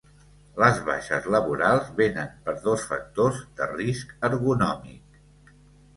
Les baixes laborals venen per dos factors de risc ergonòmic.